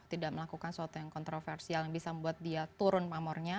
tidak melakukan sesuatu yang kontroversial yang bisa membuat dia turun pamornya